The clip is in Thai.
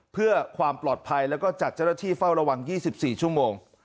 เพื่อความปลอดภัยแล้วก็จัดเจ้าหน้าที่เฝ้าระวัง๒๔ชั่วโมง